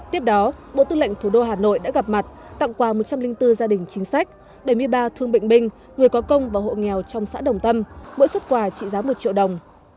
tiếp đó bộ tư lệnh thủ đô hà nội đã gặp mặt tặng quà một trăm linh bốn gia đình chính sách bảy mươi ba thương bệnh binh người có công và hộ nghèo trong xã đồng tâm mỗi xuất quà trị giá một triệu đồng